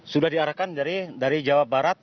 sudah diarahkan dari jawa barat